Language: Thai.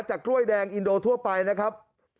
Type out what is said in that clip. กล้วยแดงอินโดทั่วไปนะครับ